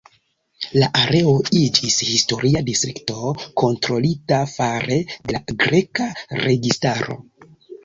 La areo iĝis historia distrikto kontrolita fare de la greka registaro.